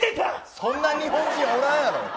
そんな日本人はおらんやろ。